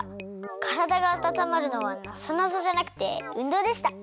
からだがあたたまるのはなぞなぞじゃなくてうんどうでした。